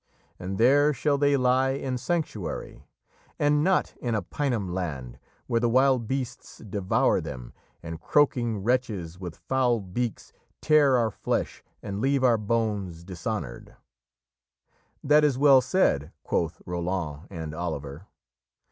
And there shall they lie in sanctuary, and not in a Paynim land where the wild beasts devour them and croaking wretches with foul beaks tear our flesh and leave our bones dishonoured." "That is well said," quoth Roland and Oliver.